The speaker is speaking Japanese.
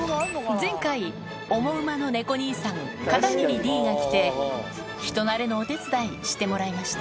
前回『オモウマ』の猫兄さん片桐Ｄが来て人なれのお手伝いしてもらいました